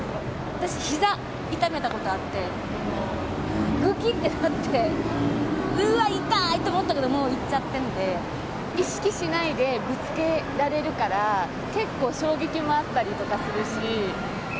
私、ひざ痛めたことがあって、ぐきってなって、うわ、痛いと思ったけど、意識しないでぶつけられるから、結構、衝撃もあったりとかするし。